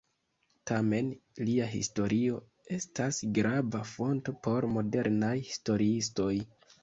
Tamen lia historio estas grava fonto por modernaj historiistoj.